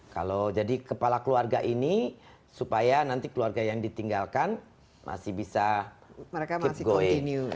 kalau jadi kepala keluarga ini supaya nanti keluarga yang ditinggalkan masih bisa kit going